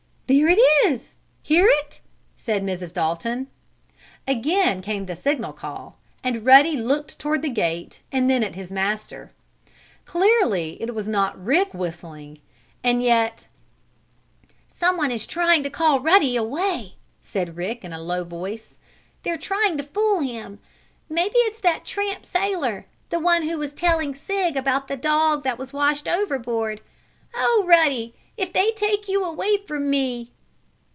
"There it is hear it!" said Mrs. Dalton. Again came the signal call, and Ruddy looked toward the gate and then at his master. Clearly it was not Rick whistling, and yet "Someone is trying to call Ruddy away!" said Rick in a low voice. "They're trying to fool him. Maybe it's that tramp sailor the one who was telling Sig about the dog that was washed overboard. Oh, Ruddy! If they take you away from me!"